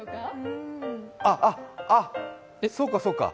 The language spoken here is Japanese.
あ、そうかそうか。